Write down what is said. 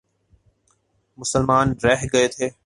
مسلمان رہ گئے تھے۔